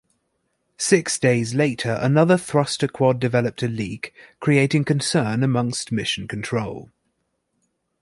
Six days later, another thruster quad developed a leak, creating concern amongst Mission Control.